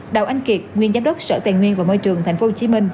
đào anh kiệt nguyên giám đốc sở tài nguyên và môi trường tp hcm